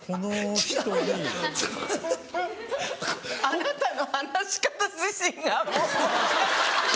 あなたの話し方がもう。